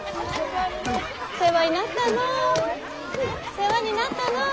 世話になったのう。